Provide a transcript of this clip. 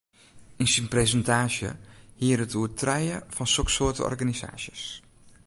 Yn syn presintaasje hie er it oer trije fan soksoarte organisaasjes.